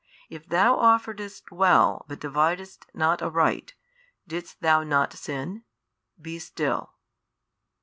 If thou offeredst well but dividedst not aright, didst thou not sin? be still.